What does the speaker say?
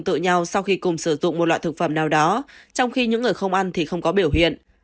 trong khi cùng sử dụng một loại thực phẩm nào đó trong khi những người không ăn thì không có biểu hiện